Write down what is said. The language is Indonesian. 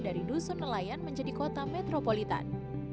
dari dusun nelayan menjadi kota metropolitan